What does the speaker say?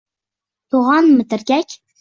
Toʼgʼonmi tirgak?